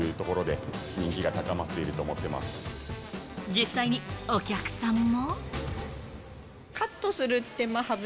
実際にお客さんも。